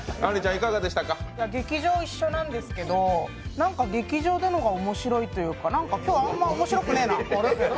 劇場一緒なんですけどなんか劇場の方が面白いというかなんか今日、あんま面白くねぇな。